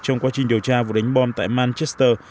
trong quá trình điều tra vụ đánh bom tại manchester